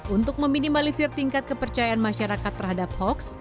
untuk meminimalisir tingkat kepercayaan masyarakat terhadap hoax